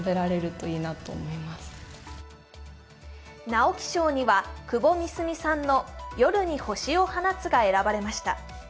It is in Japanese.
直木賞には窪美澄さんの「夜に星を放つ」が選ばれました。